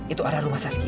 itu arah rumah saskia